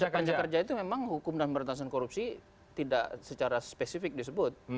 panca kerja itu memang hukum dan perintasan korupsi tidak secara spesifik disebut